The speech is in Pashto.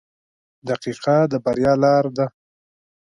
• دقیقه د بریا لار ده.